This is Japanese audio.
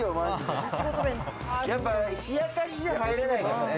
やっぱ冷やかしじゃ入れないよね。